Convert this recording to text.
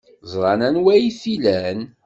Ẓran anwa ay t-ilan.